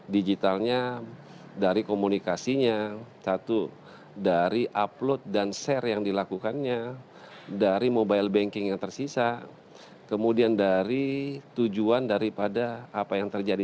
digitalnya dari komunikasinya satu dari upload dan share yang dilakukannya dari mobile banking yang tersisa kemudian dari tujuan daripada apa yang terjadi